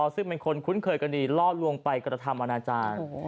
ซึ่งเป็นคนคุ้นเคยกันดีล่อลวงไปกระทำอนาจารย์